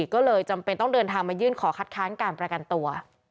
ก็เลยจำเป็นต้องเดินทางมายื่นขอคัดค้านการประกันตัว